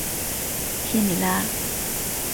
谢米拉。